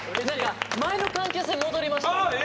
前の関係性に戻りました。